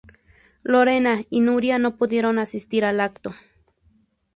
Lorena y Nuria no pudieron asistir al acto.